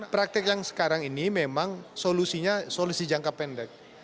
praktek yang sekarang ini memang solusinya solusi jangka pendek